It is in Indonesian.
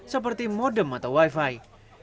seperti modem atau wifi